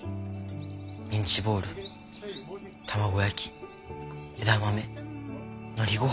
ミンチボール卵焼き枝豆のりごはん。